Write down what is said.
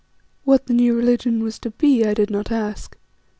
What the new religion was to be I did not ask.